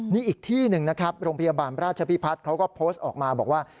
นี่อีกที่หนึ่งนะครับโรงพยาบาลราชพิพัฒน์เขาก็โพสต์ออกมาบอกว่า